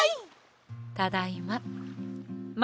ただいま。